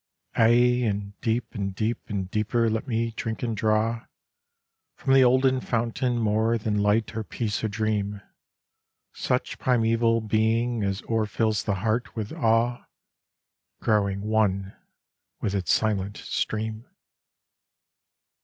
Aye, and deep and deep and deeper let me drink and draw From the olden fountain more than light or peace or dream, Such primeval being as o'erfills the heart with awe, Growing one with its silent stream.